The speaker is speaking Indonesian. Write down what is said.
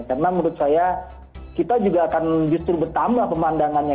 karena menurut saya kita juga akan justru bertambah pemandangannya